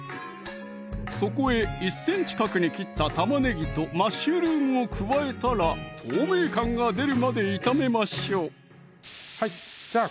そこへ１ｃｍ角に切った玉ねぎとマッシュルームを加えたら透明感が出るまで炒めましょうじゃあ